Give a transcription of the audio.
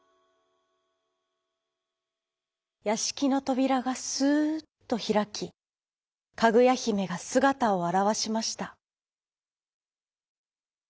やしきのとびらがすっとひらきかぐやひめがすがたをあらわしました。